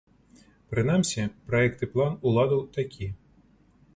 Прынамсі, праект і план уладаў такі.